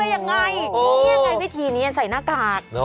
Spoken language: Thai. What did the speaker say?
ยังไงยังไงวิธีนี้ใส่หน้ากาก